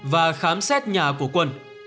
và khám xét nhà của quân